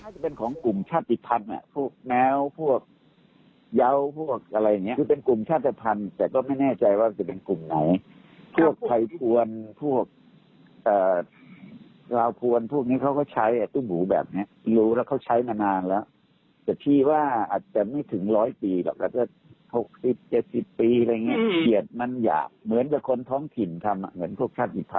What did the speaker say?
ท้องถิ่นทำเหมือนพวกชาติภัณฑ์พวก